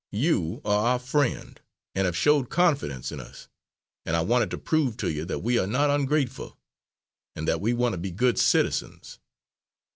You are our friend, and have showed confidence in us, and I wanted to prove to you that we are not ungrateful, an' that we want to be good citizens."